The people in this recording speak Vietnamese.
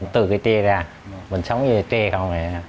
từ cái tre ra mình sống như cái tre không